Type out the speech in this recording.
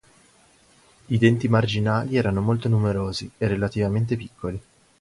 I denti marginali erano molto numerosi e relativamente piccoli.